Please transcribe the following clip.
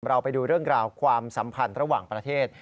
เราไปดูเรื่องราวความสัมพันธ์ระหว่างประเทศ